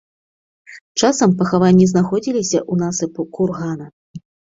Часам пахаванні знаходзіліся ў насыпу кургана.